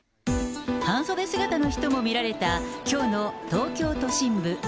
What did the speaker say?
半袖姿の人も見られたきょうの東京都心部。